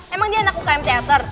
emang dia anak ukm teater